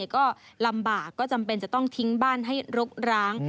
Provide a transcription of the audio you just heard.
ก็ลำบากก็จำเป็นจะต้องทิ้งบ้านให้รกร้าง